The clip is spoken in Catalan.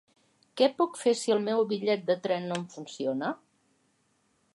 Què puc fer si el meu bitllet de tren no em funciona?